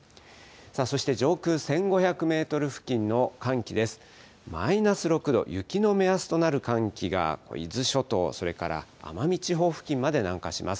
そして上空１５００メートル付近の寒気です。